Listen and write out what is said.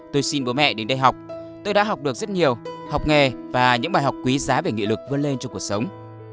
tôi xin bố mẹ đến đây học tôi đã học được rất nhiều học nghề và những bài học quý giá về nghị lực vươn lên trong cuộc sống